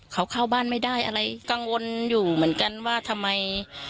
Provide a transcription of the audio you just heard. เขาเข้าบ้านไม่ได้อะไรกังวลอยู่เหมือนกันว่าทำไม